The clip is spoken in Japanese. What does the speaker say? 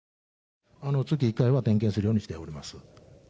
月１回は点検するようにしています。